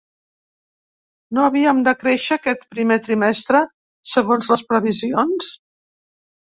No havíem de créixer aquest primer trimestre, segons les previsions?